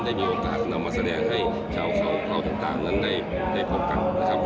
ได้มีโอกาสนำมาแสดงให้ชาวเขาต่างนั้นได้พบกันนะครับ